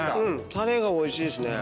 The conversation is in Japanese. タレがおいしいっすね。